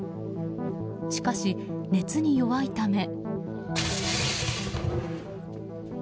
しかし、熱に弱いため。